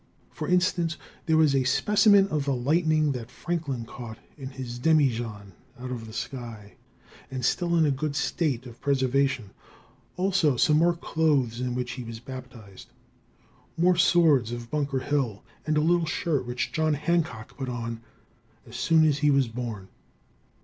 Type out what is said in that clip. For instance, there was a specimen of the lightning that Franklin caught in his demijohn out of the sky, and still in a good state of preservation; also some more clothes in which he was baptized, more swords of Bunker Hill, and a little shirt which John Hancock put on as soon as he was born.